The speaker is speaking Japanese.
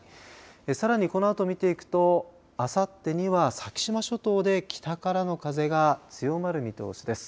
さらに、このあと見ていくとあさってには先島諸島で北からの風が強まる見通しです。